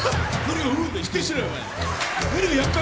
否定しろよ。